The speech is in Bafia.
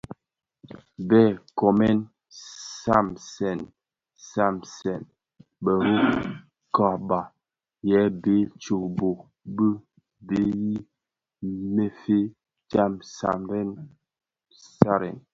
Bë nkoomèn nnabsèn nabsèn bero kōba yè bë tsōō bōō bi bhee i mefye tsaň tsaňraň.